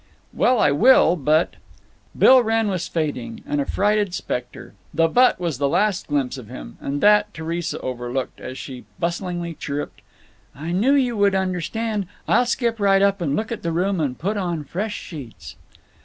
"Well, I will, but—" Bill Wrenn was fading, an affrighted specter. The "but" was the last glimpse of him, and that Theresa overlooked, as she bustlingly chirruped: "I knew you would understand. I'll skip right up and look at the room and put on fresh sheets."